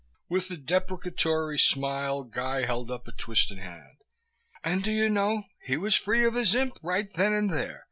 With a deprecatory smile Guy held up a twisted hand. "And, do you know, he was free of his imp right then and there!